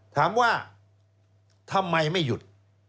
ถามว่าทำไมไม่หยุด